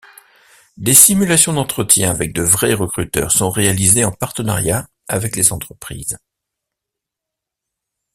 Des simulations d'entretien avec de vrais recruteurs sont réalisées en partenariat avec les entreprises.